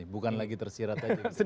bukan lagi tersirat